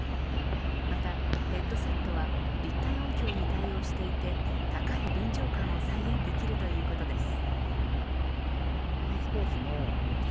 また、ヘッドセットは立体音響に対応していて高い臨場感を再現できるということです。